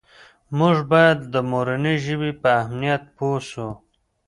موږ باید د مورنۍ ژبې په اهمیت پوه سو.